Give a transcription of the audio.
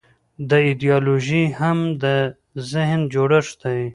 دا ایدیالوژي هم د ذهن جوړښت دی.